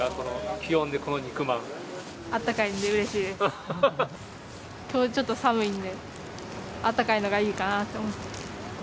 きょうちょっと寒いんで、あったかいのがいいかなと思って。